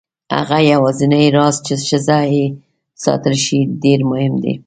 هغه یوازینی راز چې ښځه یې ساتلی شي ډېر مهم دی.